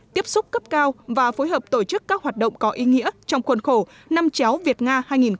tiếp xúc cấp cao và phối hợp tổ chức các hoạt động có ý nghĩa trong khuôn khổ năm chéo việt nga hai nghìn một mươi chín hai nghìn hai mươi